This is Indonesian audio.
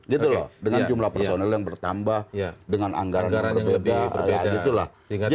jadi loh dengan jumlah personil yang bertambah dengan anggaran yang berbeda gitu lah